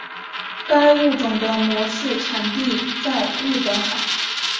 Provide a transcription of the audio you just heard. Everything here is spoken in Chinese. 该物种的模式产地在日本海。